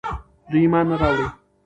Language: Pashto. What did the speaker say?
دوی ايمان نه راوړي